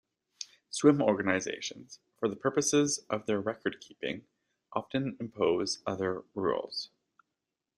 Swim organizations, for the purposes of their record keeping, often impose other rules.